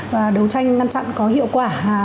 và đấu tranh ngăn chặn có hiệu quả